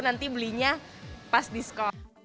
nanti belinya pas diskon